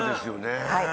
はい。